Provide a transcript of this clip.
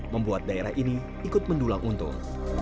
membuat daerah ini ikut mendulang untung